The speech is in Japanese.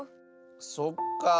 そっかあ。